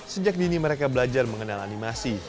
sejak dini mereka belajar mengenal animasi